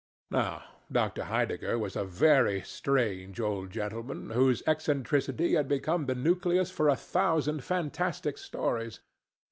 Now, Dr. Heidegger was a very strange old gentleman whose eccentricity had become the nucleus for a thousand fantastic stories.